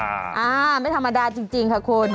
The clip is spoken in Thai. อ่าไม่ธรรมดาจริงค่ะคุณ